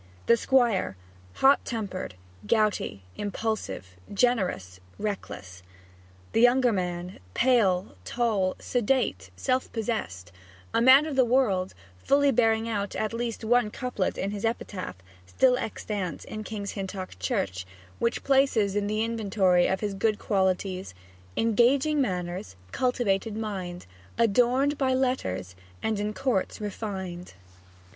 The Squire, hot tempered, gouty, impulsive, generous, reckless; the younger man, pale, tall, sedate, self possessed a man of the world, fully bearing out at least one couplet in his epitaph, still extant in King's Hintock church, which places in the inventory of his good qualities 'Engaging Manners, cultivated Mind, Adorn'd by Letters, and in Courts refin'd.'